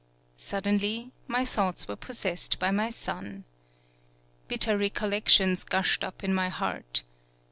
Sud denly, my thoughts were possessed by my son. Bitter recollections gushed up in my heart.